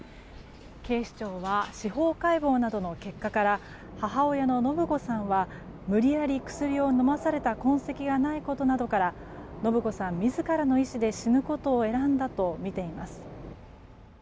警視庁は司法解剖などの結果から母親の延子さんは無理やり薬を飲まされた痕跡がないことなどから延子さん自らの意思で死ぬことを選んだとみています。